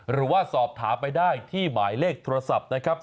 หรือว่าสอบถามไปได้ที่หมายเลขโทรศัพท์นะครับ